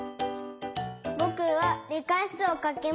ぼくはりかしつをかきました。